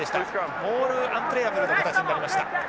モールアンプレアブルの形になりました。